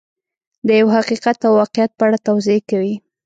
د یو حقیقت او واقعیت په اړه توضیح کوي.